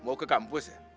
mau ke kampus ya